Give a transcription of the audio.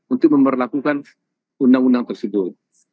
untuk memperlakukan undang undang tersebut